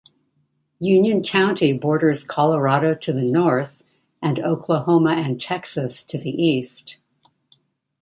Union County borders Colorado to the north, and Oklahoma and Texas to the east.